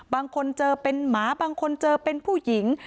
บางคนเจอเป็นหมาบางคนเจอเป็นผู้หญิง